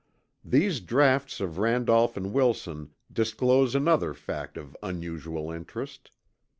These draughts of Randolph and Wilson disclose another fact of unusual interest.